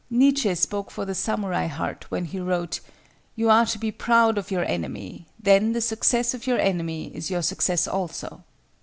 Nietzsche spoke for the samurai heart when he wrote, "You are to be proud of your enemy; then, the success of your enemy is your success also."